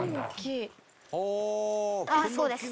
ああそうです。